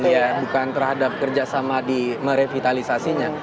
ya bukan terhadap kerjasama di merevitalisasinya